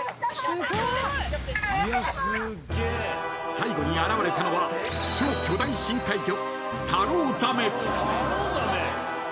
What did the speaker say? ［最後に現れたのは超巨大深海魚］